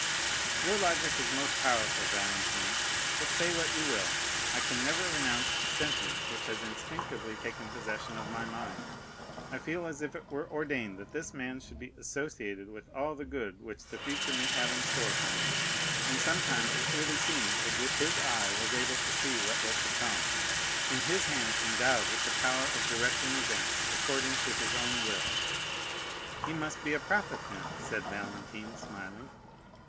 "Your logic is most powerful, Valentine, but say what you will, I can never renounce the sentiment which has instinctively taken possession of my mind. I feel as if it were ordained that this man should be associated with all the good which the future may have in store for me, and sometimes it really seems as if his eye was able to see what was to come, and his hand endowed with the power of directing events according to his own will." "He must be a prophet, then," said Valentine, smiling.